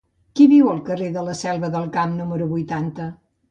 Qui viu al carrer de la Selva del Camp número vuitanta?